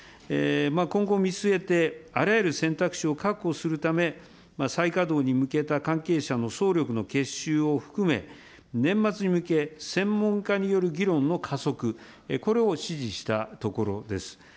今後を見据えてあらゆる選択肢を確保するため、再稼働に向けた関係者の総力の結集を含め、年末に向け、専門家による議論の加速、これを指示したところです。